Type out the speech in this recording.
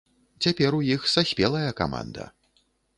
Цяпер у іх саспелая каманда.